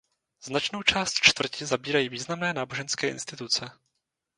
Značnou část čtvrti zabírají významné náboženské instituce.